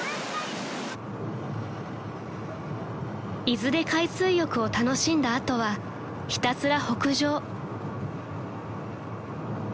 ［伊豆で海水浴を楽しんだ後はひたすら北上］